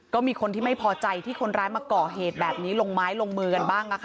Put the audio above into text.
ก็มีคนที่ไม่พอใจที่คนร้ายมาก่อเหตุแบบนี้ลงไม้ลงมือกันบ้าง